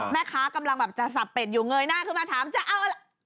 แม่ค้ากำลังจะสับเป็ดอยู่เงยหน้าขึ้นมาถามจะเอาอะไร